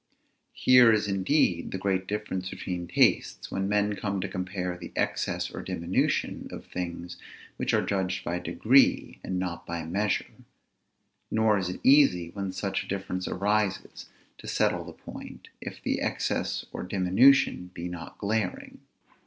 Here is indeed the great difference between tastes, when men come to compare the excess or diminution of things which are judged by degree and not by measure. Nor is it easy, when such a difference arises, to settle the point, if the excess or diminution be not glaring.